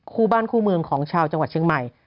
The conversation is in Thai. คู่บ้านคู่เมืองของชาวจังหวัดเชียงใหม่